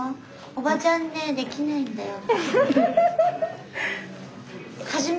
おばちゃんねできないんだよ。